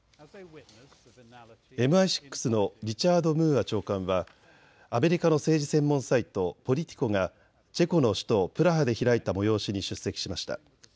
ＭＩ６のリチャード・ムーア長官はアメリカの政治専門サイト、ポリティコがチェコの首都プラハで開いた催しに出席しました。